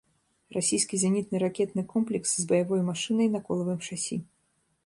Расійскі зенітны ракетны комплекс з баявой машынай на колавым шасі.